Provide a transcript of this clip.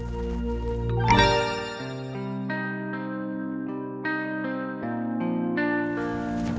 bagus buat vlog lu